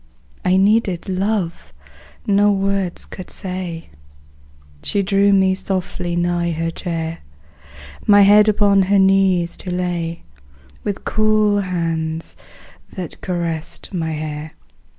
I needed love no words could say; She drew me softly nigh her chair, My head upon her knees to lay, With cool hands that caressed my hair.